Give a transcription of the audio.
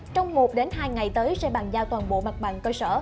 trong một hai ngày tới sẽ bàn giao toàn bộ mặt bằng cơ sở